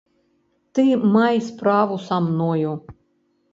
Ты май справу са мною.